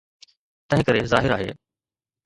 تنهنڪري ظاهر آهي.